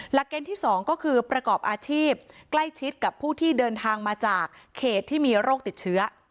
เกณฑ์ที่๒ก็คือประกอบอาชีพใกล้ชิดกับผู้ที่เดินทางมาจากเขตที่มีโรคติดเชื้อ